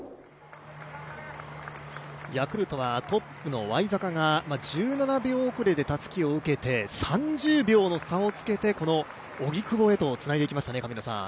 ヤクルトはトップのワイザカが１７秒遅れでたすきを受けて、３０秒の差をつけて荻久保へとつないでいきましたね。